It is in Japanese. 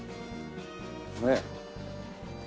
ねえ。